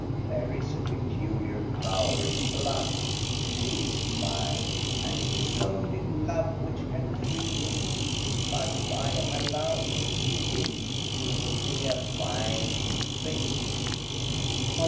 There is a peculiar power in blood. He GHOST STORIES, 2 1 1 is mine, and it is only love which can free him; but if I am allowed to keep him he will be a fine thing."